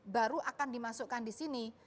baru akan dimasukkan di sini